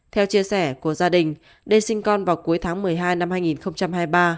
theo chia sẻ của gia đình đây sinh con vào cuối tháng một mươi hai năm hai nghìn hai mươi ba